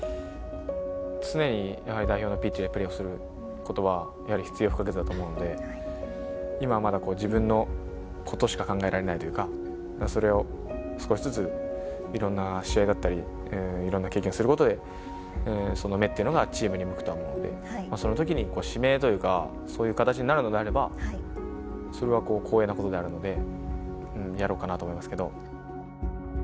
常にやはり代表のピッチでプレーをすることは、やはり必要不可欠だと思うので、今まだ自分のことしか考えられないというか、それを少しずつ、いろんな試合だったり、いろんな経験をすることで、その目っていうのがチームに向くと思うんで、そのときに指名というか、そういう形になるのであれば、それは光栄なことであるので、やろうかなと思いますけど。